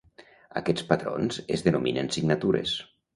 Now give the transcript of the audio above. Aquests patrons es denominen signatures.